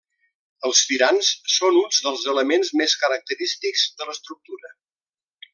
Els tirants són uns dels elements més característics de l’estructura.